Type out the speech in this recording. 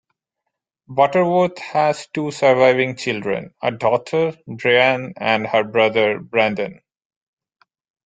Butterworth has two surviving children, a daughter, BreAnne and her brother, Brandon.